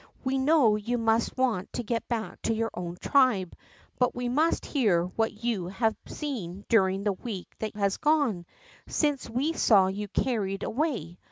We know you must want to get back to your own tribe, but we must hear what you have seen during the week that has gone, since we saw you carried away.